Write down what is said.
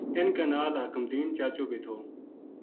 اِنھ کے نال حاکم دین چا چو بے تھو